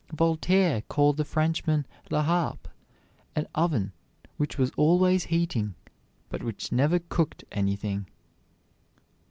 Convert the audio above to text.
Voltaire called the Frenchman La Harpe an oven which was always heating, but which never cooked anything.